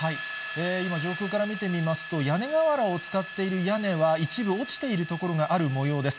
今、上空から見てみますと、屋根瓦を伝っている屋根は一部落ちているところがあるもようです。